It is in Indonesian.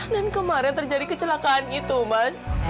dan kemarin terjadi kecelakaan itu mas